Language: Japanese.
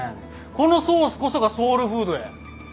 このソースこそがソウルフードや！